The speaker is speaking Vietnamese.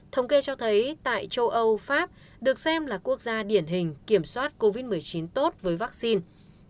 thống kê cho thấy tại châu âu pháp được xem là quốc gia điển hình kiểm soát covid một mươi chín tốt với vaccine